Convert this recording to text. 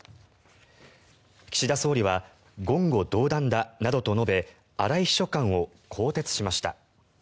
岸田総理は言語道断だなどと述べ荒井秘書官を更迭しました。